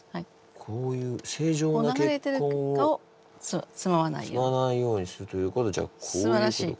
こういう正常な血管をつままないようにするということはじゃあこういうことか。